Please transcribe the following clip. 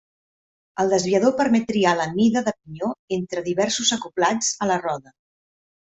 El desviador permet triar la mida de pinyó entre diversos acoblats a la roda.